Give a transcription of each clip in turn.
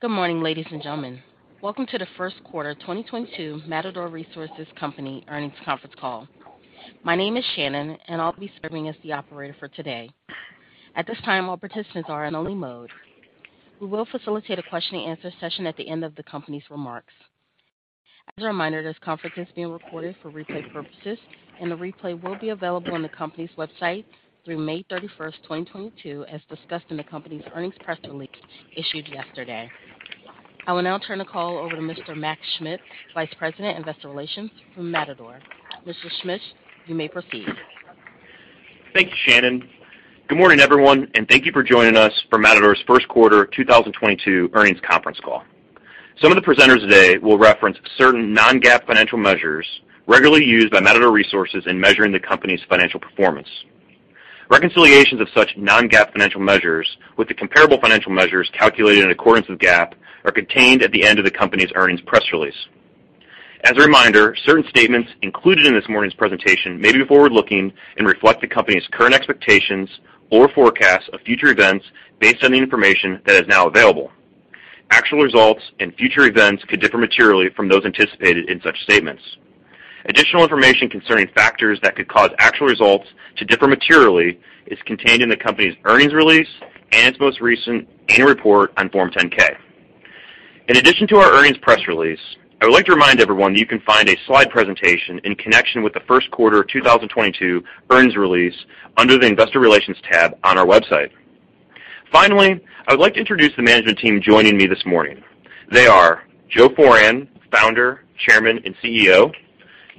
Good morning, ladies and gentlemen. Welcome to the first quarter 2022 Matador Resources Company earnings conference call. My name is Shannon, and I'll be serving as the operator for today. At this time, all participants are in listen-only mode. We will facilitate a question-and-answer session at the end of the company's remarks. As a reminder, this conference is being recorded for replay purposes, and the replay will be available on the company's website through May 31, 2022, as discussed in the company's earnings press release issued yesterday. I will now turn the call over to Mr. Mac Schmitz, Vice President, Investor Relations from Matador. Mr. Schmitz, you may proceed. Thank you, Shannon. Good morning, everyone, and thank you for joining us for Matador's first quarter 2022 earnings conference call. Some of the presenters today will reference certain non-GAAP financial measures regularly used by Matador Resources in measuring the company's financial performance. Reconciliations of such non-GAAP financial measures with the comparable financial measures calculated in accordance with GAAP are contained at the end of the company's earnings press release. As a reminder, certain statements included in this morning's presentation may be forward-looking and reflect the company's current expectations or forecasts of future events based on the information that is now available. Actual results and future events could differ materially from those anticipated in such statements. Additional information concerning factors that could cause actual results to differ materially is contained in the company's earnings release and its most recent annual report on Form 10-K. In addition to our earnings press release, I would like to remind everyone that you can find a slide presentation in connection with the first quarter of 2022 earnings release under the Investor Relations tab on our website. Finally, I would like to introduce the management team joining me this morning. They are Joe Foran, Founder, Chairman, and CEO,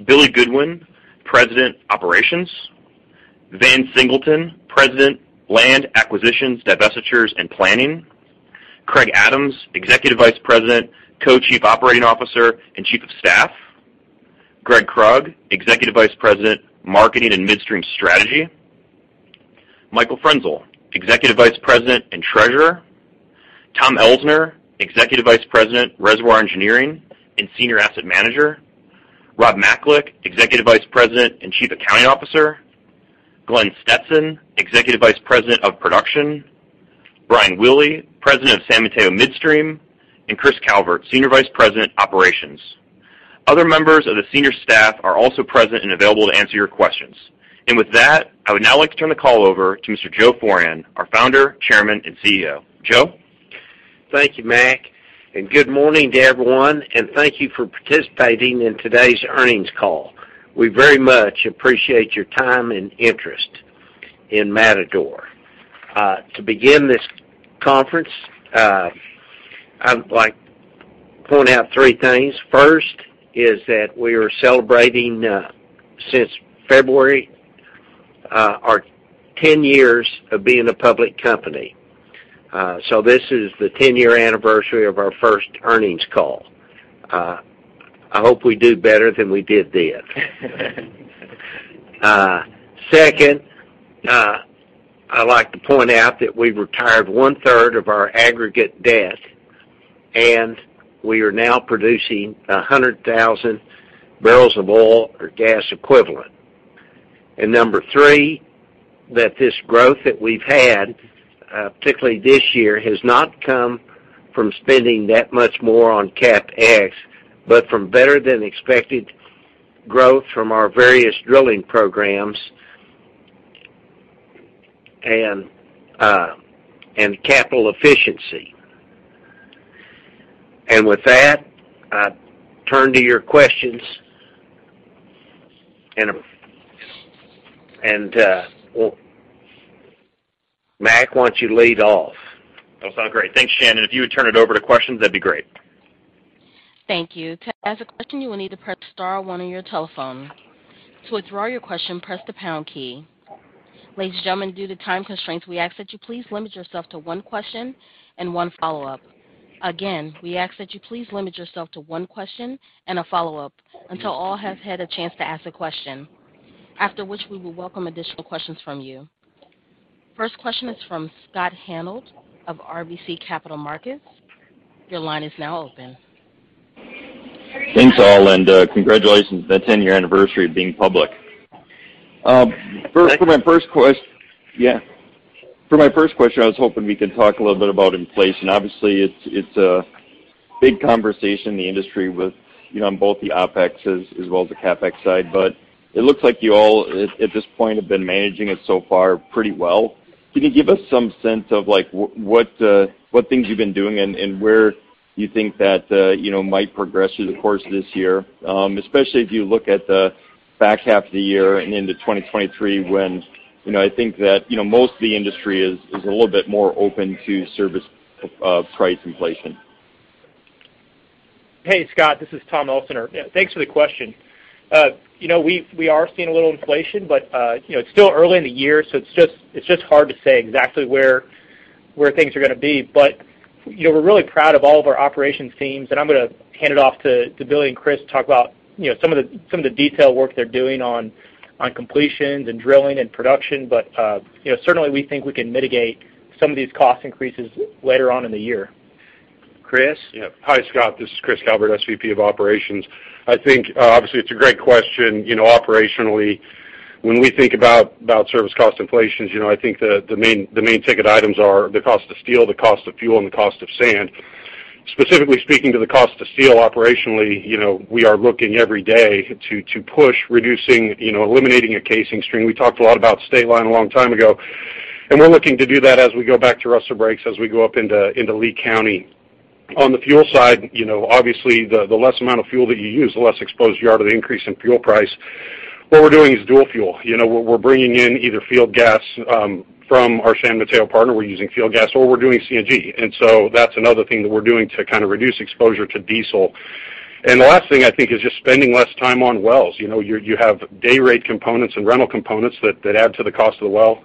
Billy Goodwin, President, Operations, Van Singleton, President, Land Acquisitions, Divestitures, and Planning, Craig Adams, Executive Vice President, Co-Chief Operating Officer, and Chief of Staff, Gregg Krug, Executive Vice President, Marketing, and Midstream Strategy, Michael Frenzel, Executive Vice President and Treasurer, Tom Elsener, Executive Vice President, Reservoir Engineering, and Senior Asset Manager, Rob Macalik, Executive Vice President and Chief Accounting Officer, Glenn Stetson, Executive Vice President of Production, Brian Willey, President of San Mateo Midstream, and Chris Calvert, Senior Vice President, Operations. Other members of the senior staff are also present and available to answer your questions. With that, I would now like to turn the call over to Mr. Joe Foran, our Founder, Chairman, and CEO. Joe? Thank you, Mac, and good morning to everyone, and thank you for participating in today's earnings call. We very much appreciate your time and interest in Matador. To begin this conference, I'd like to point out three things. First is that we are celebrating, since February, our 10 years of being a public company. This is the 10-year anniversary of our first earnings call. I hope we do better than we did then. Second, I like to point out that we've retired one-third of our aggregate debt, and we are now producing 100,000 barrels of oil or gas equivalent. Number three, that this growth that we've had, particularly this year, has not come from spending that much more on CapEx, but from better than expected growth from our various drilling programs and capital efficiency. With that, I turn to your questions. Well, Mac, why don't you lead off? That's all great. Thanks, Shannon. If you would turn it over to questions, that'd be great. Thank you. To ask a question, you will need to press star one on your telephone. To withdraw your question, press the pound key. Ladies and gentlemen, due to time constraints, we ask that you please limit yourself to one question and one follow-up. Again, we ask that you please limit yourself to one question and a follow-up until all have had a chance to ask a question. After which, we will welcome additional questions from you. First question is from Scott Hanold of RBC Capital Markets. Your line is now open. Thanks, all, and, congratulations on the ten-year anniversary of being public. First- Thank you. For my first question, I was hoping we could talk a little bit about inflation. Obviously, it's a big conversation in the industry with, you know, on both the OpEx as well as the CapEx side. But it looks like you all at this point have been managing it so far pretty well. Can you give us some sense of like what things you've been doing and where you think that, you know, might progress through the course of this year, especially if you look at the back half of the year and into 2023 when, you know, I think that, you know, most of the industry is a little bit more open to service price inflation. Hey, Scott. This is Tom Elsener. Thanks for the question. You know, we are seeing a little inflation, but you know, it's still early in the year, so it's just hard to say exactly where things are gonna be. You know, we're really proud of all of our operations teams, and I'm gonna hand it off to Billy and Chris to talk about you know, some of the detail work they're doing on completions and drilling and production. You know, certainly, we think we can mitigate some of these cost increases later on in the year. Chris? Yeah. Hi, Scott. This is Chris Calvert, SVP of Operations. I think, obviously, it's a great question. You know, operationally. When we think about service cost inflations, you know, I think the main ticket items are the cost of steel, the cost of fuel, and the cost of sand. Specifically speaking to the cost of steel operationally, you know, we are looking every day to push reducing, you know, eliminating a casing string. We talked a lot about Stateline a long time ago, and we're looking to do that as we go back to Rustler Breaks, as we go up into Lea County. On the fuel side, you know, obviously, the less amount of fuel that you use, the less exposed you are to the increase in fuel price. What we're doing is dual fuel. You know, we're bringing in either field gas from our San Mateo partner, we're using field gas, or we're doing CNG. That's another thing that we're doing to kind of reduce exposure to diesel. The last thing, I think, is just spending less time on wells. You know, you have day rate components and rental components that add to the cost of the well.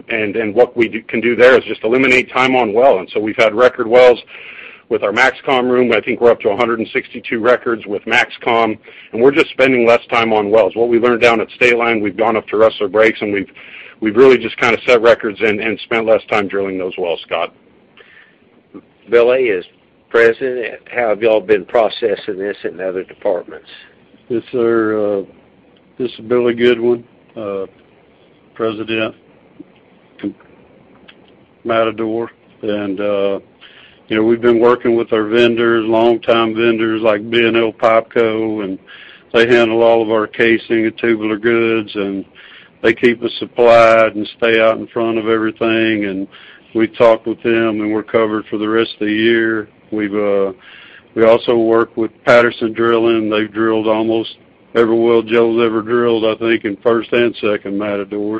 What we can do there is just eliminate time on well. We've had record wells with our MAXCOMroom. I think we're up to 162 records with MAXCOM, and we're just spending less time on wells. What we learned down at Stateline, we've gone up to Rustler Breaks, and we've really just kind of set records and spent less time drilling those wells, Scott. Billy, as President, how have y'all been processing this in other departments? Yes, sir, this is Billy Goodwin, President, Matador. You know, we've been working with our vendors, longtime vendors like B&O Pipe Co., and they handle all of our casing and tubular goods, and they keep us supplied and stay out in front of everything. We talk with them, and we're covered for the rest of the year. We also work with Patterson-UTI. They've drilled almost every well Joe's ever drilled, I think, in first and second Matador.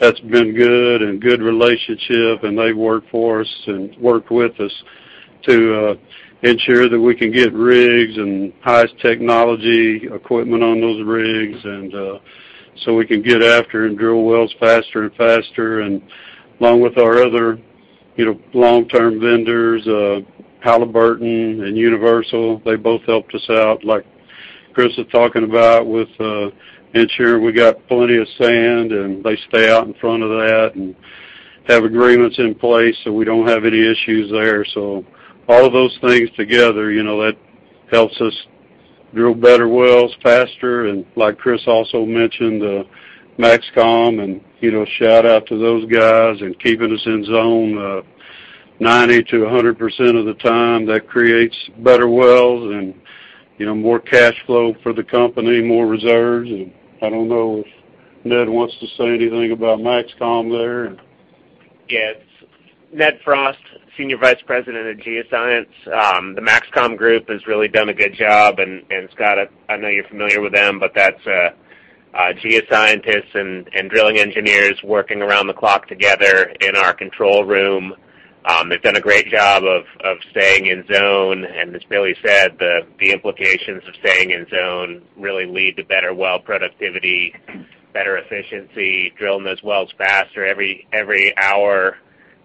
That's been a good relationship, and they work for us and work with us to ensure that we can get rigs and highest technology equipment on those rigs, so we can get after and drill wells faster and faster. Along with our other, you know, long-term vendors, Halliburton and Universal, they both helped us out, like Chris was talking about, with ensuring we got plenty of sand, and they stay out in front of that and have agreements in place, so we don't have any issues there. All of those things together, you know, that helps us drill better wells faster. Like Chris also mentioned, the MAXCOM and, you know, shout out to those guys and keeping us in zone 90%-100% of the time. That creates better wells and, you know, more cash flow for the company, more reserves. I don't know if Ned wants to say anything about MAXCOM there. Yes. Ned Frost, Senior Vice President of Geoscience. The MAXCOM group has really done a good job. Scott, I know you're familiar with them, but that's geoscientists and drilling engineers working around the clock together in our control room. They've done a great job of staying in zone. As Billy said, the implications of staying in zone really lead to better well productivity, better efficiency, drilling those wells faster. Every hour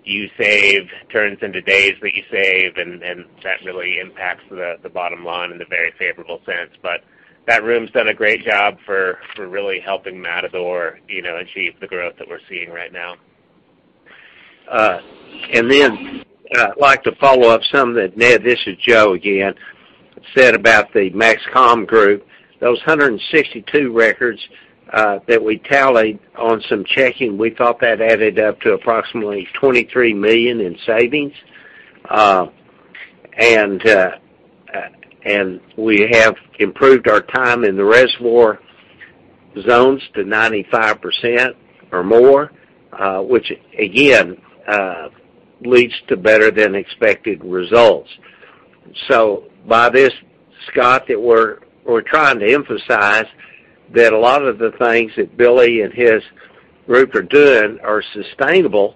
you save turns into days that you save, and that really impacts the bottom line in a very favorable sense. That room's done a great job for really helping Matador, you know, achieve the growth that we're seeing right now. I'd like to follow up something that Ned, this is Joe again, said about the MAXCOM group. Those 162 records that we tallied on some checking, we thought that added up to approximately $23 million in savings. And we have improved our time in the reservoir zones to 95% or more, which again leads to better than expected results. By this, Scott, that we're trying to emphasize that a lot of the things that Billy and his group are doing are sustainable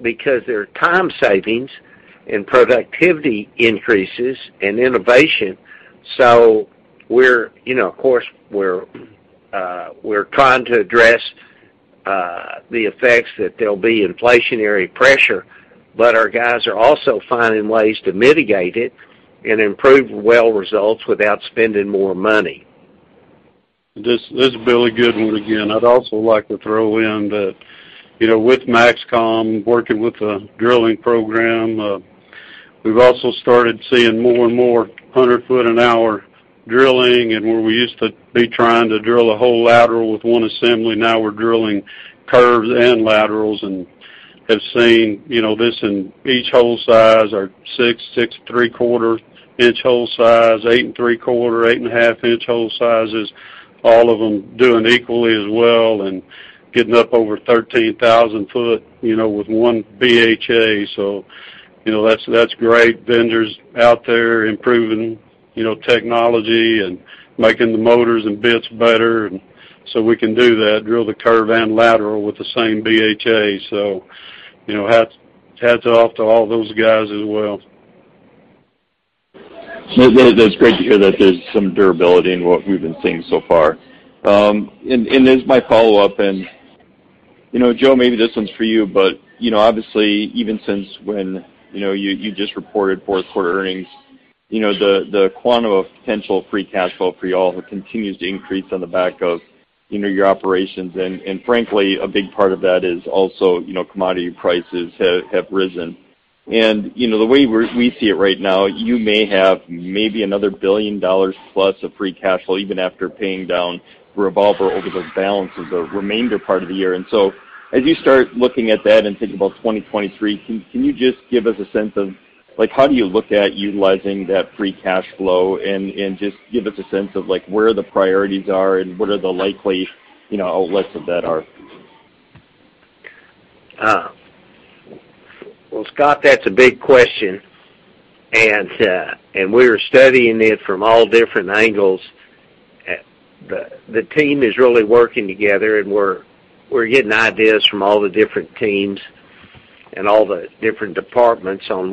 because they're time savings and productivity increases and innovation. We're, you know, of course, we're trying to address the effects that there'll be inflationary pressure, but our guys are also finding ways to mitigate it and improve well results without spending more money. This is Billy Goodwin again. I'd also like to throw in that, you know, with MAXCOM working with the drilling program, we've also started seeing more and more 100-foot-an-hour drilling. Where we used to be trying to drill a whole lateral with one assembly, now we're drilling curves and laterals and have seen, you know, this in each hole size or six-and-three-quarter-inch hole size, eight-and-three-quarter, eight-and-a-half-inch hole sizes, all of them doing equally as well and getting up over 13,000 feet, you know, with one BHA. That's great vendors out there improving, you know, technology and making the motors and bits better. We can do that, drill the curve and lateral with the same BHA. You know, hats off to all those guys as well. No, that's great to hear that there's some durability in what we've been seeing so far. As my follow-up, you know, Joe, maybe this one's for you, but you know, obviously, even since when, you know, you just reported fourth quarter earnings, you know, the quantum of potential free cash flow for y'all continues to increase on the back of, you know, your operations. Frankly, a big part of that is also, you know, commodity prices have risen. You know, the way we see it right now, you may have maybe another $1 billion plus of free cash flow, even after paying down revolver over those balances the remainder part of the year. As you start looking at that and thinking about 2023, can you just give us a sense of, like, how do you look at utilizing that free cash flow? Just give us a sense of, like, where the priorities are and what are the likely, you know, outlets of that are. Well, Scott, that's a big question, and we're studying it from all different angles. The team is really working together, and we're getting ideas from all the different teams and all the different departments on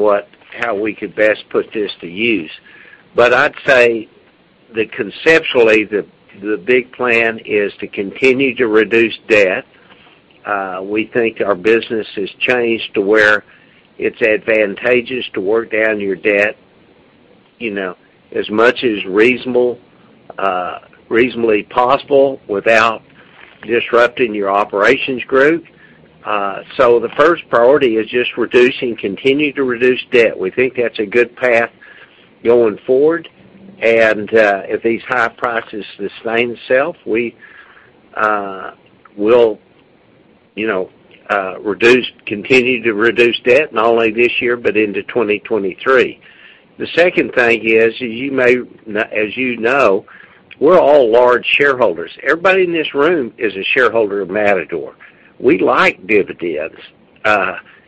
how we could best put this to use. I'd say that conceptually, the big plan is to continue to reduce debt. We think our business has changed to where it's advantageous to work down your debt, you know, as much as reasonably possible without disrupting your operations group. The first priority is just continue to reduce debt. We think that's a good path going forward, and if these high prices sustain themselves, we will, you know, continue to reduce debt, not only this year, but into 2023. The second thing is, you may, as you know, we're all large shareholders. Everybody in this room is a shareholder of Matador. We like dividends.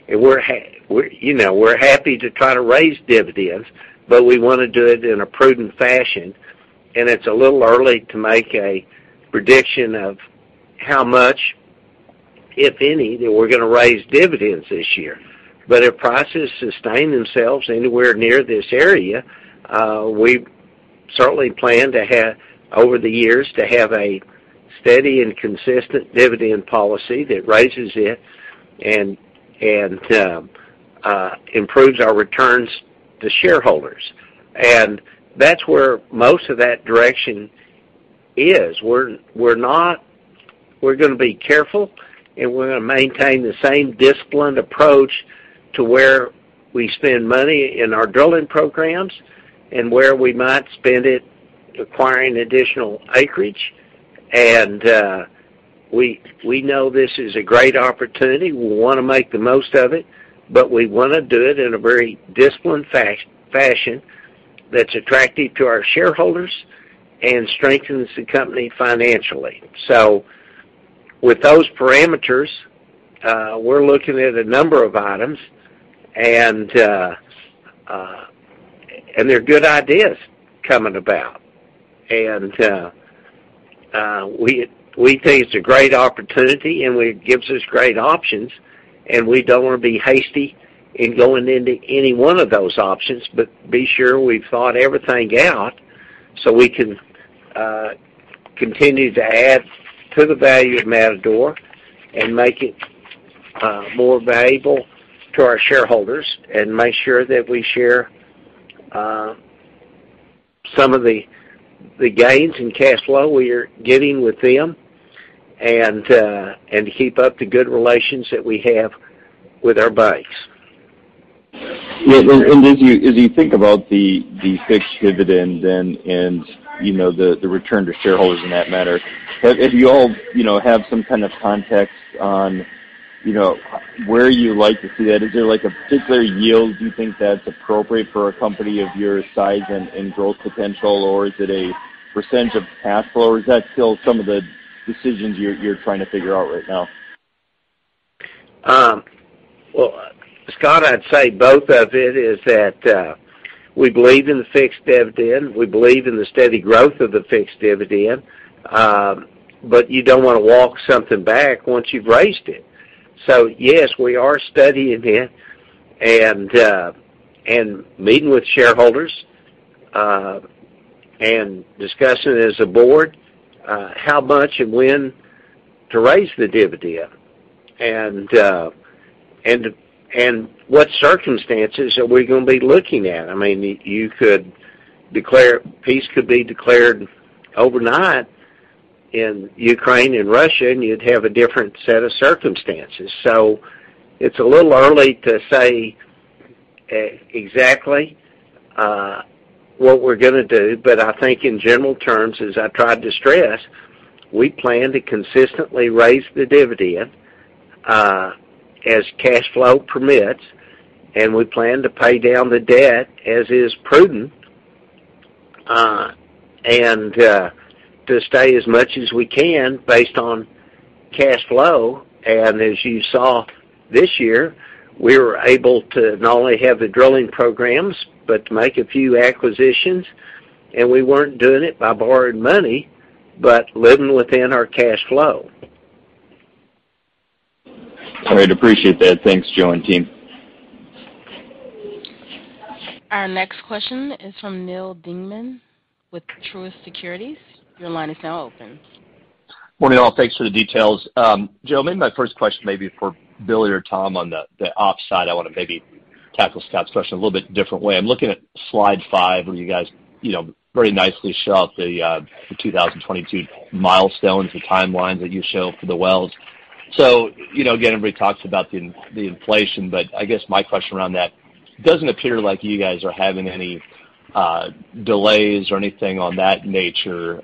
We're happy to try to raise dividends, but we wanna do it in a prudent fashion, and it's a little early to make a prediction of how much, if any, that we're gonna raise dividends this year. If prices sustain themselves anywhere near this area, we certainly plan to have, over the years, a steady and consistent dividend policy that raises it and improves our returns to shareholders. That's where most of that direction is. We're gonna be careful, and we're gonna maintain the same disciplined approach to where we spend money in our drilling programs and where we might spend it acquiring additional acreage. We know this is a great opportunity. We wanna make the most of it, but we wanna do it in a very disciplined fast fashion that's attractive to our shareholders and strengthens the company financially. With those parameters, we're looking at a number of items, and they're good ideas coming about. We think it's a great opportunity, and it gives us great options, and we don't wanna be hasty in going into any one of those options, but be sure we've thought everything out, so we can continue to add to the value of Matador and make it more valuable to our shareholders and make sure that we share some of the gains in cash flow we are getting with them and keep up the good relations that we have with our banks. Yeah. As you think about the fixed dividend and, you know, the return to shareholders in that matter, have you all, you know, have some kind of context on, you know, where you like to see that? Is there like a particular yield you think that's appropriate for a company of your size and growth potential, or is it a percentage of cash flow, or is that still some of the decisions you're trying to figure out right now? Well, Scott, I'd say both of it is that we believe in the fixed dividend, we believe in the steady growth of the fixed dividend, but you don't wanna walk something back once you've raised it. Yes, we are studying it and meeting with shareholders and discussing as a board how much and when to raise the dividend, and what circumstances are we gonna be looking at. I mean, peace could be declared overnight in Ukraine and Russia, and you'd have a different set of circumstances. It's a little early to say exactly what we're gonna do, but I think in general terms, as I tried to stress, we plan to consistently raise the dividend as cash flow permits, and we plan to pay down the debt as is prudent, and to stay as much as we can based on cash flow. As you saw this year, we were able to not only have the drilling programs but to make a few acquisitions, and we weren't doing it by borrowing money, but living within our cash flow. All right. Appreciate that. Thanks, Joe and team. Our next question is from Neal Dingmann with Truist Securities. Your line is now open. Morning, all. Thanks for the details. Joe, maybe my first question may be for Billy or Tom on the ops side. I wanna maybe tackle Scott's question a little bit different way. I'm looking at slide five, where you guys, you know, very nicely show the 2022 milestones, the timelines that you show for the wells. You know, again, everybody talks about the inflation, but I guess my question around that, doesn't appear like you guys are having any delays or anything of that nature,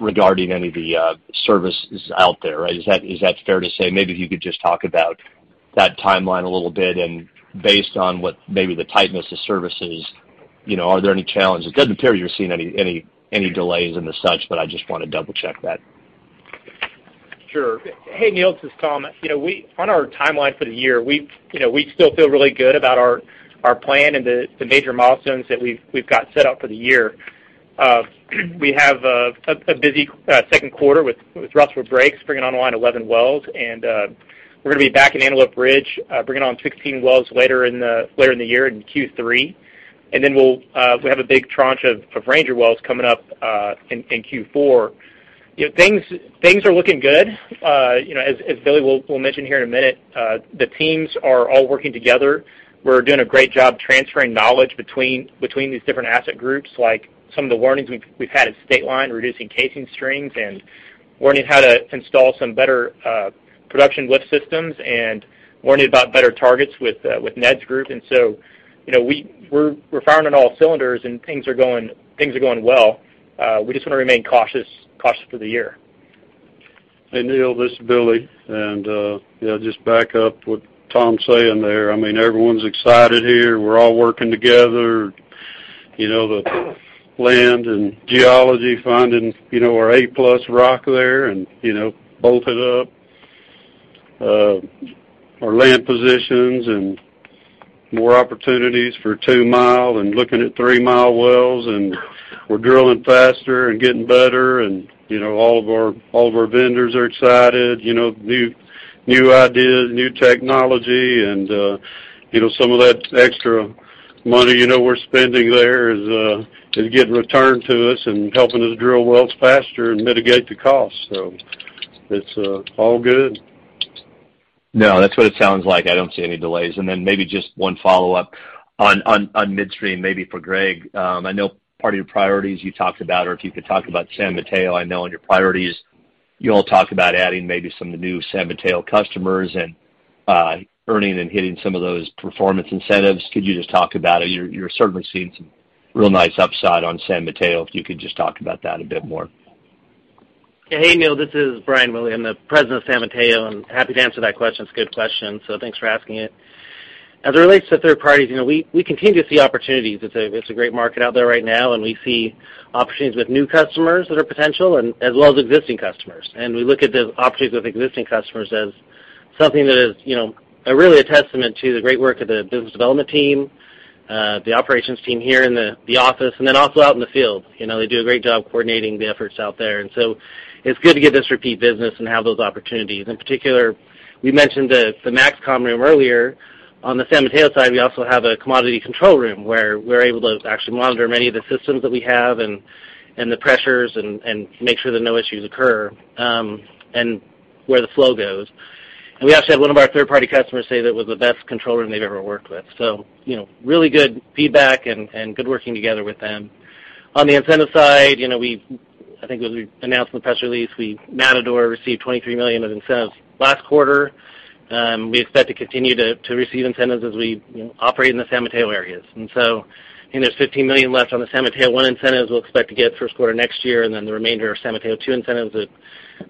regarding any of the services out there, right? Is that fair to say? Maybe if you could just talk about that timeline a little bit, and based on what maybe the tightness of services, you know, are there any challenges? It doesn't appear you're seeing any delays and such, but I just wanna double-check that. Sure. Hey, Neal, this is Tom. You know, on our timeline for the year, you know, we still feel really good about our plan and the major milestones that we've got set out for the year. We have a busy second quarter with Rustler Breaks bringing online 11 wells. We're gonna be back in Antelope Ridge, bringing on 16 wells later in the year in Q3. We'll have a big tranche of Ranger wells coming up in Q4. You know, things are looking good. You know, as Billy will mention here in a minute, the teams are all working together. We're doing a great job transferring knowledge between these different asset groups, like some of the learnings we've had at State Line, reducing casing strings, and learning how to install some better production lift systems and learning about better targets with Ned's group. You know, we're firing on all cylinders and things are going well. We just wanna remain cautious for the year. Hey, Neal, this is Billy, and yeah, just back up what Tom's saying there. I mean, everyone's excited here. We're all working together. You know, the land and geology finding, you know, our A-plus rock there and, you know, bolt-on. Our land positions and more opportunities for two mile and looking at three-mile wells, and we're drilling faster and getting better, and, you know, all of our vendors are excited. You know, new ideas, new technology and, you know, some of that extra money, you know, we're spending there is getting returned to us and helping us drill wells faster and mitigate the costs. It's all good. No, that's what it sounds like. I don't see any delays. Maybe just one follow-up on midstream, maybe for Greg. I know part of your priorities you talked about or if you could talk about San Mateo. I know in your priorities, you all talked about adding maybe some of the new San Mateo customers and earning and hitting some of those performance incentives. Could you just talk about it? You're certainly seeing some real nice upside on San Mateo, if you could just talk about that a bit more. Hey, Neal, this is Brian Willey. I'm the President of San Mateo, and happy to answer that question. It's a good question, so thanks for asking it. As it relates to third parties, you know, we continue to see opportunities. It's a great market out there right now, and we see opportunities with new customers that are potential and as well as existing customers. We look at the opportunities with existing customers as something that is, you know, really a testament to the great work of the business development team, the operations team here in the office, and then also out in the field. You know, they do a great job coordinating the efforts out there. It's good to get this repeat business and have those opportunities. In particular, we mentioned the MAXCOM room earlier. On the San Mateo side, we also have a Measurement and Control Room where we're able to actually monitor many of the systems that we have and the pressures and make sure that no issues occur, and where the flow goes. We actually had one of our third-party customers say that it was the best control room they've ever worked with. You know, really good feedback and good working together with them. On the incentive side, you know, I think as we announced in the press release, Matador received 23 million in incentives last quarter. We expect to continue to receive incentives as we, you know, operate in the San Mateo areas. There's 15 million left on the San Mateo I incentives we'll expect to get first quarter next year, and then the remainder of San Mateo II incentives that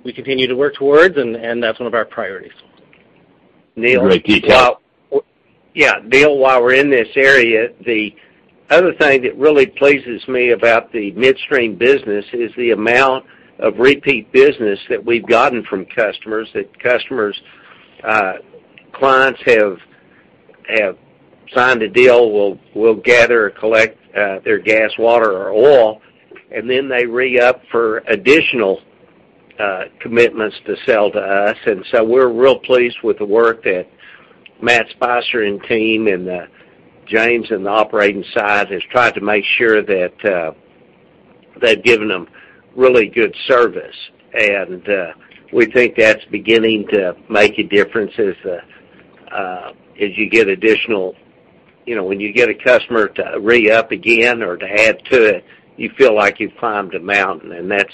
we continue to work towards, and that's one of our priorities. Great detail. Yeah. Neal, while we're in this area, the other thing that really pleases me about the midstream business is the amount of repeat business that we've gotten from customers, that customers clients have signed a deal, we'll gather or collect their gas, water, or oil, and then they re-up for additional commitments to sell to us. We think that's beginning to make a difference as you get additional You know, when you get a customer to re-up again or to add to it, you feel like you've climbed a mountain, and that's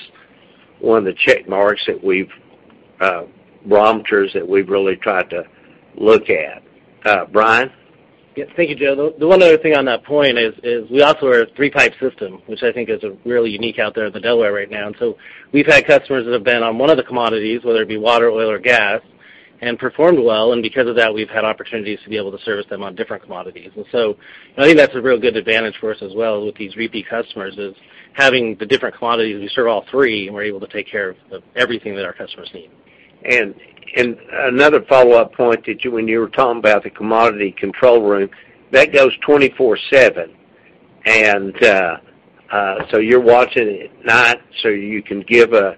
one of the barometers that we've really tried to look at. Brian? Yes. Thank you, Joe. The one other thing on that point is we also are a three-pipe system, which I think is really unique out there in the Delaware right now. We've had customers that have been on one of the commodities, whether it be water, oil or gas, and performed well, and because of that, we've had opportunities to be able to service them on different commodities. I think that's a real good advantage for us as well with these repeat customers, is having the different commodities. We serve all three, and we're able to take care of everything that our customers need. Another follow-up point that, when you were talking about the command and control room, that goes 24/7. You're watching it at night, so you can give a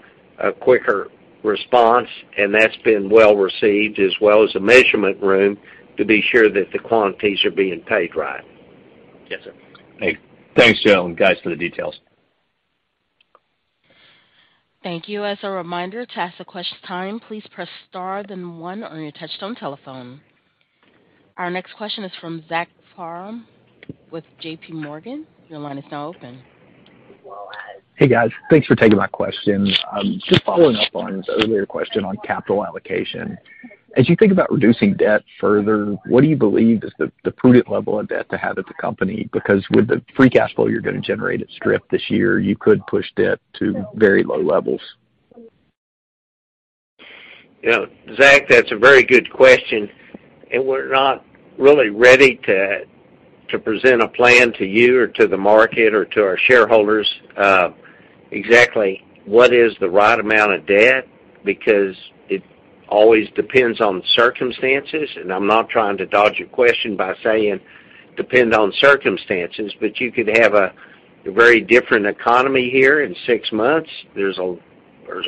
quicker response, and that's been well received, as well as the measurement room to be sure that the quantities are being paid right. Yes, sir. Hey. Thanks, Joe and guys, for the details. Thank you. As a reminder, to ask a question at this time, please press star then one on your touch-tone telephone. Our next question is from Zach Parham with JP Morgan. Your line is now open. Hey, guys. Thanks for taking my question. Just following up on the earlier question on capital allocation. As you think about reducing debt further, what do you believe is the prudent level of debt to have at the company? Because with the free cash flow you're gonna generate at Strip this year, you could push debt to very low levels. You know, Zach, that's a very good question, and we're not really ready to present a plan to you or to the market or to our shareholders exactly what is the right amount of debt, because it always depends on circumstances. I'm not trying to dodge a question by saying depend on circumstances, but you could have a very different economy here in six months. There's a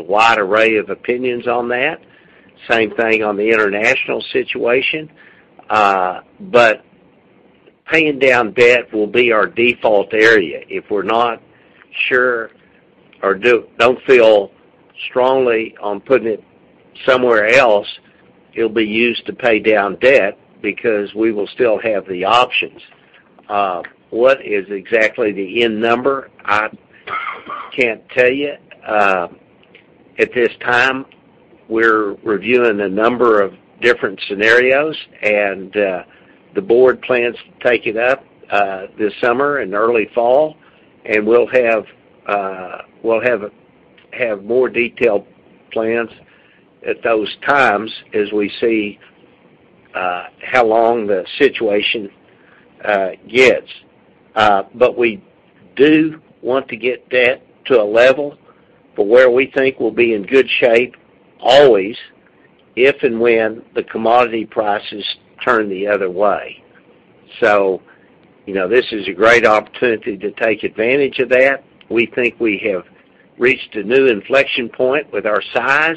wide array of opinions on that. Same thing on the international situation. Paying down debt will be our default area. If we're not sure or don't feel strongly on putting it somewhere else, it'll be used to pay down debt because we will still have the options. What is exactly the end number? I can't tell you. At this time, we're reviewing a number of different scenarios, and the board plans to take it up this summer and early fall, and we'll have more detailed plans at those times as we see how long the situation gets. We do want to get debt to a level where we think we'll be in good shape always if and when the commodity prices turn the other way. You know, this is a great opportunity to take advantage of that. We think we have reached a new inflection point with our size.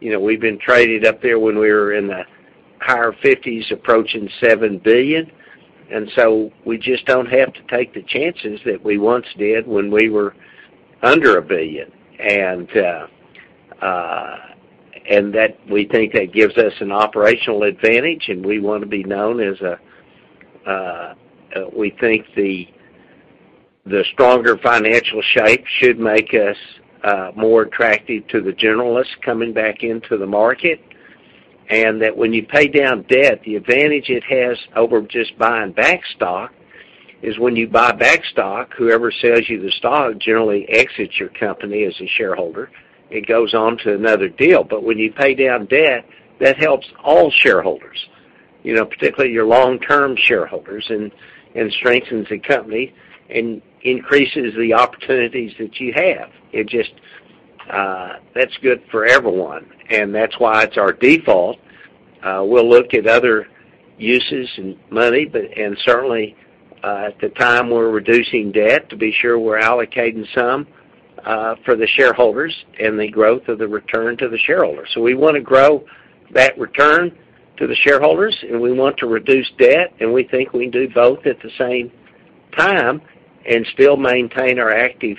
You know, we've been traded up there when we were in the higher 50s approaching seve billion. We just don't have to take the chances that we once did when we were under $1 billion. That we think that gives us an operational advantage, and we wanna be known as a, we think the stronger financial shape should make us more attractive to the generalists coming back into the market. That when you pay down debt, the advantage it has over just buying back stock is when you buy back stock, whoever sells you the stock generally exits your company as a shareholder. It goes on to another deal. When you pay down debt, that helps all shareholders, you know, particularly your long-term shareholders and strengthens the company and increases the opportunities that you have. It just, that's good for everyone, and that's why it's our default. We'll look at other uses and money, but certainly, at the time we're reducing debt to be sure we're allocating some for the shareholders and the growth of the return to the shareholders. We wanna grow that return to the shareholders, and we want to reduce debt, and we think we can do both at the same time and still maintain our active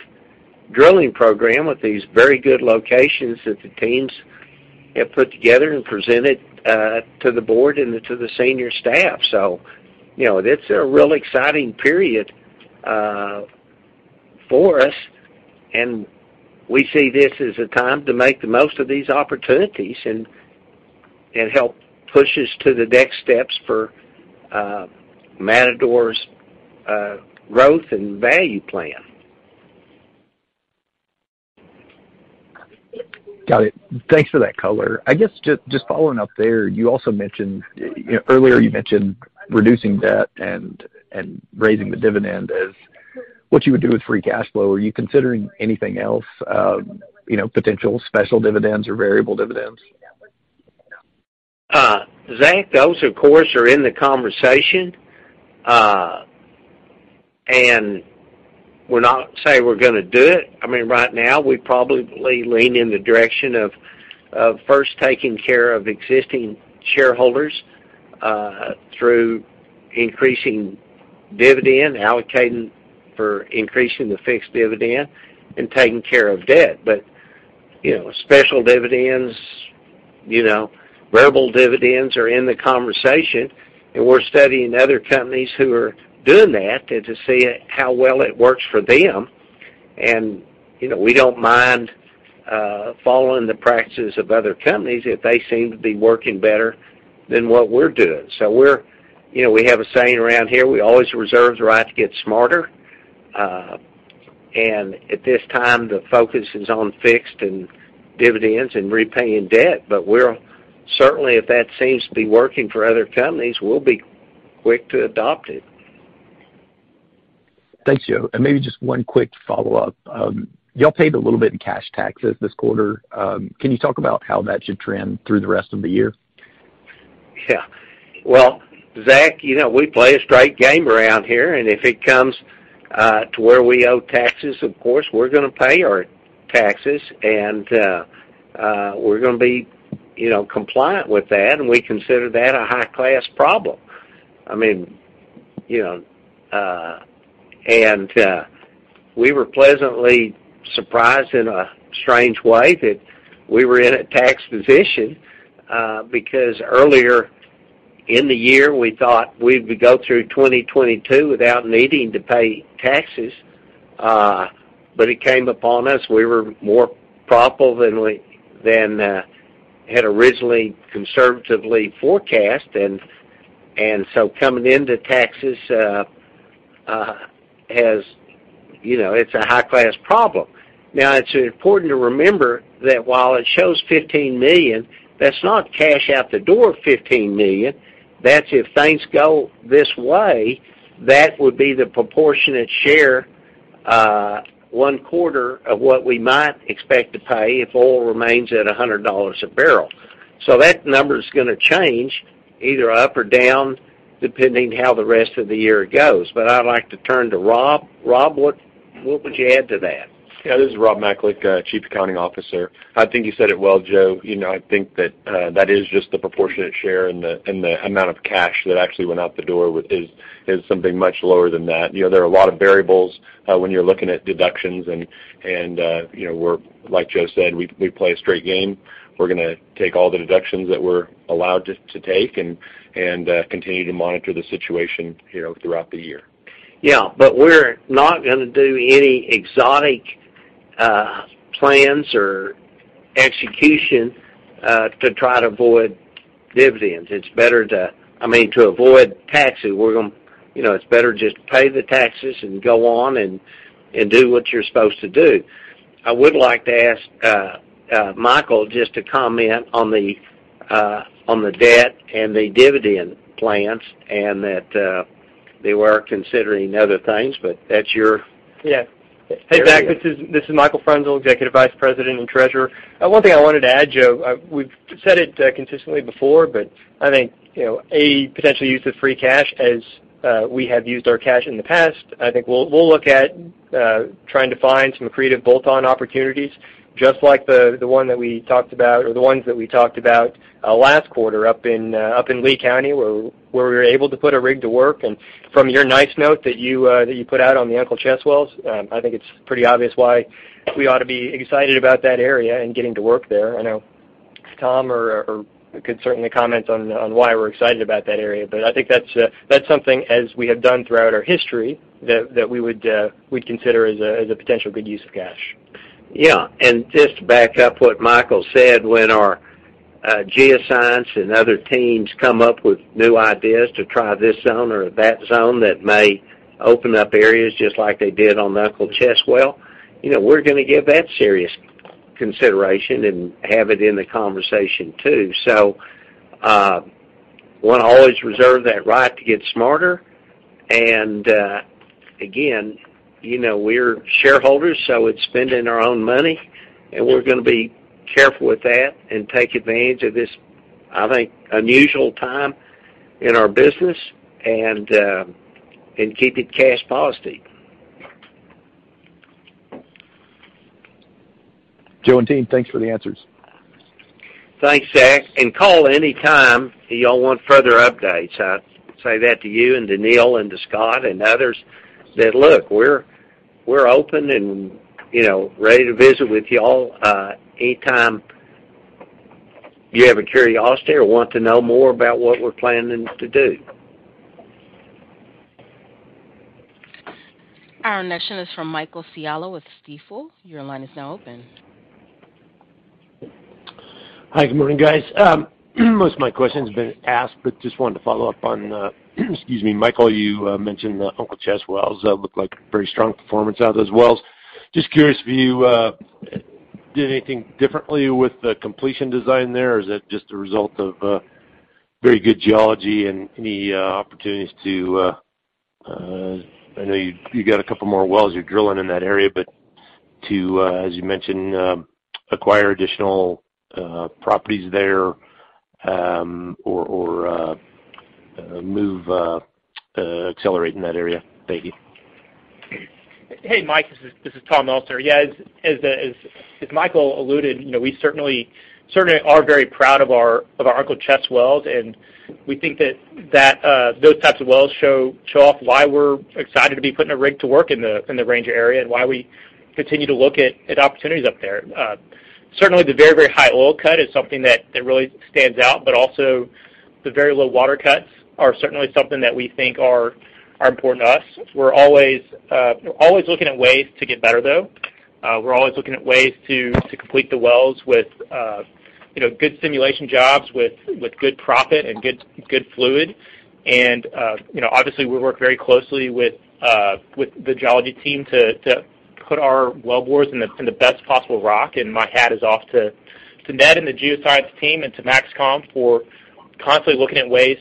drilling program with these very good locations that the teams have put together and presented to the board and to the senior staff. You know, that's a real exciting period for us, and we see this as a time to make the most of these opportunities and help push us to the next steps for Matador's growth and value plan. Got it. Thanks for that color. I guess just following up there, you also mentioned earlier reducing debt and raising the dividend as what you would do with free cash flow. Are you considering anything else, you know, potential special dividends or variable dividends? Zach, those of course are in the conversation. We're not saying we're gonna do it. I mean, right now, we probably lean in the direction of first taking care of existing shareholders through increasing dividend, allocating for increasing the fixed dividend and taking care of debt. You know, special dividends, you know, variable dividends are in the conversation, and we're studying other companies who are doing that to see how well it works for them. You know, we don't mind following the practices of other companies if they seem to be working better than what we're doing. We're, you know, we have a saying around here, we always reserve the right to get smarter. At this time, the focus is on fixed and dividends and repaying debt. We're certainly, if that seems to be working for other companies, we'll be quick to adopt it. Thanks, Joe. Maybe just one quick follow-up. Y'all paid a little bit in cash taxes this quarter. Can you talk about how that should trend through the rest of the year? Yeah. Well, Zach, you know, we play a straight game around here, and if it comes to where we owe taxes, of course, we're gonna pay our taxes and we're gonna be, you know, compliant with that, and we consider that a high-class problem. You know, we were pleasantly surprised in a strange way that we were in a tax position because earlier in the year we thought we'd go through 2022 without needing to pay taxes. It came upon us. We were more profitable than we had originally conservatively forecast. And so coming into taxes, as you know, it's a high-class problem. Now, it's important to remember that while it shows $15 million, that's not cash out the door $15 million. That's if things go this way, that would be the proportionate share, one quarter of what we might expect to pay if oil remains at $100 a barrel. That number is gonna change either up or down, depending how the rest of the year goes. I'd like to turn to Rob. Rob, what would you add to that? Yeah, this is Robert Macalik, Chief Accounting Officer. I think you said it well, Joe. You know, I think that is just the proportionate share and the amount of cash that actually went out the door is something much lower than that. You know, there are a lot of variables when you're looking at deductions and, you know, like Joe said, we play a straight game. We're gonna take all the deductions that we're allowed to take and continue to monitor the situation, you know, throughout the year. Yeah. We're not gonna do any exotic plans or execution to try to avoid dividends. It's better, I mean, to avoid tax. You know, it's better just pay the taxes and go on and do what you're supposed to do. I would like to ask Michael just to comment on the debt and the dividend plans and that they were considering other things, but that's your- Yeah. There you go. Hey, Zach, this is Michael Frenzel, Executive Vice President and Treasurer. One thing I wanted to add, Joe, we've said it consistently before, but I think, you know, a potential use of free cash as we have used our cash in the past, I think we'll look at trying to find some creative bolt-on opportunities, just like the one that we talked about or the ones that we talked about last quarter up in Lea County, where we were able to put a rig to work. From your nice note that you put out on the Uncle Chess wells, I think it's pretty obvious why we ought to be excited about that area and getting to work there. I know Tom could certainly comment on why we're excited about that area, but I think that's something as we have done throughout our history that we'd consider as a potential good use of cash. Yeah. Just to back up what Michael said, when our geoscience and other teams come up with new ideas to try this zone or that zone, that may open up areas just like they did on the Uncle Chess well, you know, we're gonna give that serious consideration and have it in the conversation too. Wanna always reserve that right to get smarter. Again, you know, we're shareholders, so it's spending our own money, and we're gonna be careful with that and take advantage of this, I think, unusual time in our business and keep it cash positive. Joe and team, thanks for the answers. Thanks, Zach. Call any time if y'all want further updates. I say that to you and to Neal and to Scott and others that, look, we're open and, you know, ready to visit with y'all anytime you have a curiosity or want to know more about what we're planning to do. Our next question is from Michael Scialla with Stifel. Your line is now open. Hi. Good morning, guys. Most of my questions have been asked, but just wanted to follow up on, excuse me, Michael, you mentioned the Uncle Chess wells looked like very strong performance out of those wells. Just curious if you did anything differently with the completion design there, or is that just a result of very good geology? Any opportunities to, I know you got a couple more wells you're drilling in that area, but to, as you mentioned, acquire additional properties there, or move accelerate in that area. Thank you. Hey, Mike, this is Tom Elsener. Yes, as Michael alluded, you know, we certainly are very proud of our Uncle Chess wells, and we think that those types of wells show off why we're excited to be putting a rig to work in the Ranger area and why we continue to look at opportunities up there. Certainly the very high oil cut is something that really stands out, but also the very low water cuts are certainly something that we think are important to us. We're always looking at ways to get better, though. We're always looking at ways to complete the wells with, you know, good stimulation jobs with good proppant and good fluid. You know, obviously, we work very closely with the geology team to put our well bores in the best possible rock. My hat is off to Ned and the geoscience team and to MAXCOM for constantly looking at ways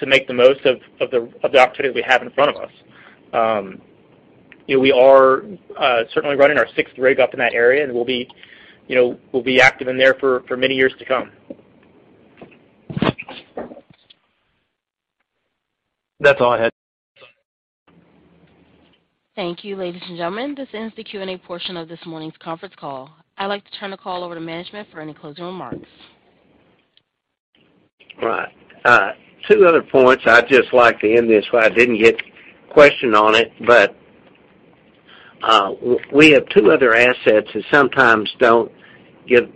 to make the most of the opportunity we have in front of us. You know, we are certainly running our sixth rig up in that area, and we'll be active in there for many years to come. That's all I had. Thank you, ladies and gentlemen. This ends the Q&A portion of this morning's conference call. I'd like to turn the call over to management for any closing remarks. Right. Two other points. I'd just like to end this way. I didn't get questioned on it, but we have two other assets that sometimes don't get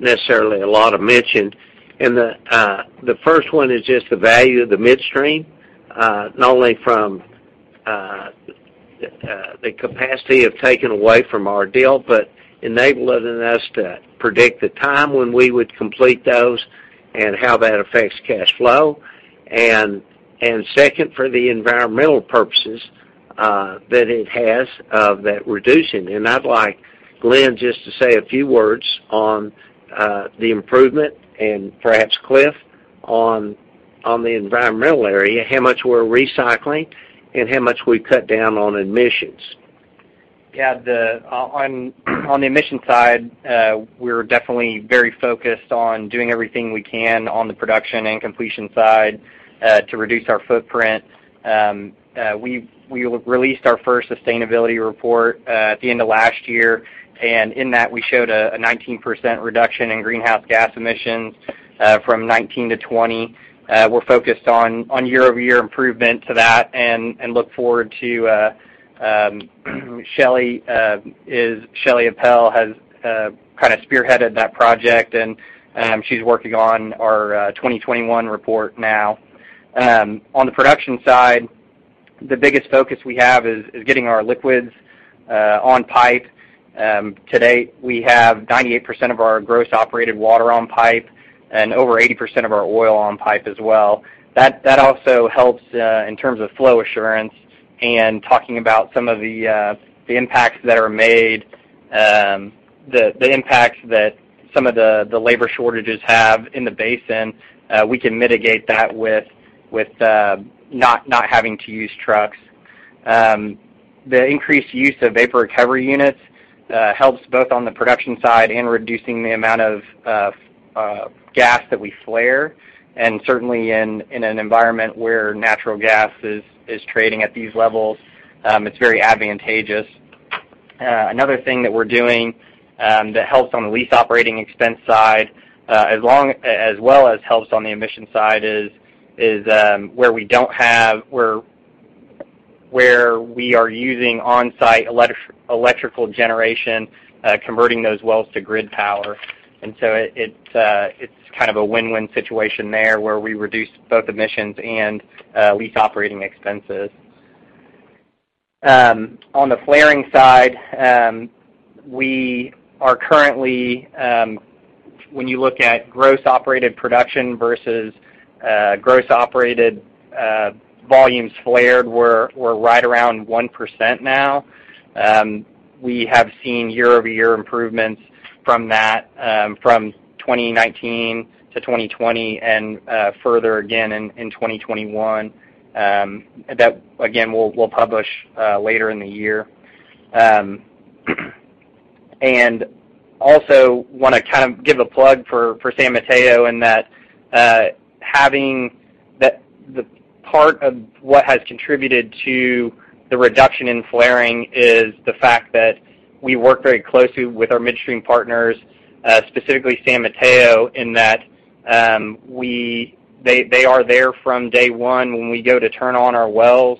necessarily a lot of mention. The first one is just the value of the midstream, not only from the capacity of taking away from our deal, but enabling us to predict the time when we would complete those and how that affects cash flow. Second, for the environmental purposes, that it has of that reduction. I'd like Glenn just to say a few words on the improvement and perhaps Cliff on the environmental area, how much we're recycling and how much we cut down on emissions. On the emissions side, we're definitely very focused on doing everything we can on the production and completion side to reduce our footprint. We released our first sustainability report at the end of last year, and in that we showed a 19% reduction in greenhouse gas emissions from 2019 to 2020. We're focused on year-over-year improvement to that and look forward to it. Shelley Appel has kind of spearheaded that project and she's working on our 2021 report now. On the production side, the biggest focus we have is getting our liquids on pipe. To date, we have 98% of our gross operated water on pipe and over 80% of our oil on pipe as well. That also helps in terms of flow assurance and talking about the impacts that some of the labor shortages have in the basin. We can mitigate that with not having to use trucks. The increased use of vapor recovery units helps both on the production side and reducing the amount of gas that we flare. Certainly in an environment where natural gas is trading at these levels, it's very advantageous. Another thing that we're doing that helps on the lease operating expense side as well as helps on the emission side is where we are using on-site electrical generation, converting those wells to grid power. It's kind of a win-win situation there, where we reduce both emissions and lease operating expenses. On the flaring side, when you look at gross operated production versus gross operated volumes flared, we're right around 1% now. We have seen year-over-year improvements from that, from 2019 to 2020 and further again in 2021, that again, we'll publish later in the year. I wanna kind of give a plug for San Mateo and that having the part of what has contributed to the reduction in flaring is the fact that we work very closely with our midstream partners, specifically San Mateo, in that they are there from day one when we go to turn on our wells.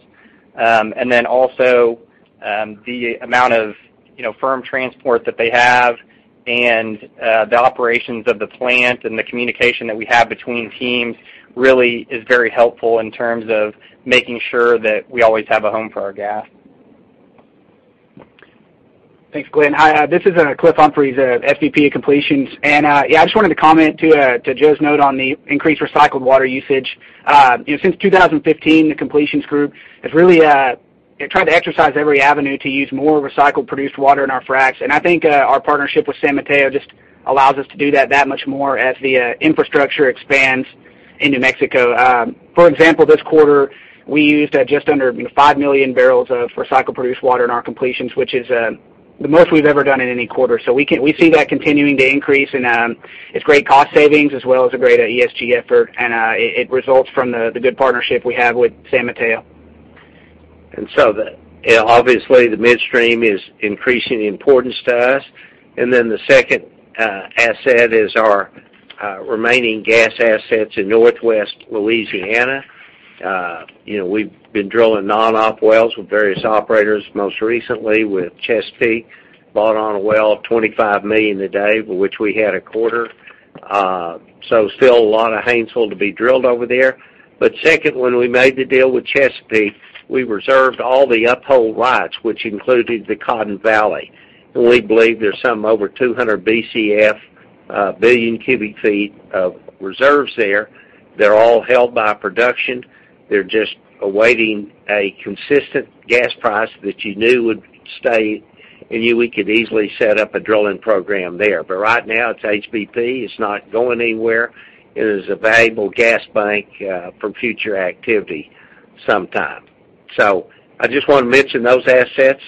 The amount of, you know, firm transport that they have and the operations of the plant and the communication that we have between teams really is very helpful in terms of making sure that we always have a home for our gas. Thanks, Glenn. Hi, this is Cliff Humphreys of SVP Completions. Yeah, I just wanted to comment to Joe's note on the increased recycled water usage. You know, since 2015, the completions group has really, you know, tried to exercise every avenue to use more recycled produced water in our fracs. I think our partnership with San Mateo just allows us to do that much more as the infrastructure expands in New Mexico. For example, this quarter, we used just under 5 million barrels of recycled produced water in our completions, which is the most we've ever done in any quarter. We see that continuing to increase, and it's great cost savings as well as a great ESG effort. It results from the good partnership we have with San Mateo. The midstream is increasingly important to us. The second asset is our remaining gas assets in Northwest Louisiana. We've been drilling non-op wells with various operators, most recently with Chesapeake, brought on a well, 25 million a day, which we had a quarter. Still a lot of Haynesville to be drilled over there. Second, when we made the deal with Chesapeake, we reserved all the uphole rights, which included the Cotton Valley. We believe there's some over 200 Bcf, billion cubic feet of reserves there. They're all held by production. They're just awaiting a consistent gas price that would stay and we could easily set up a drilling program there. Right now it's HBP, it's not going anywhere. It is a valuable gas bank for future activity sometime. I just wanna mention those assets,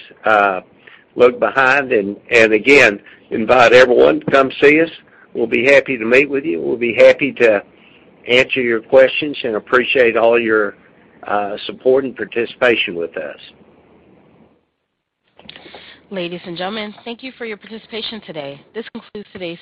look behind and again, invite everyone to come see us. We'll be happy to meet with you. We'll be happy to answer your questions and appreciate all your support and participation with us. Ladies and gentlemen, thank you for your participation today. This concludes today's.